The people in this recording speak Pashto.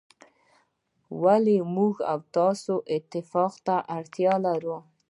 ولي موږ او تاسو اتفاق ته اړتیا لرو.